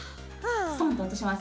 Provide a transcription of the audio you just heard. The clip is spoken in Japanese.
ストンと落とします。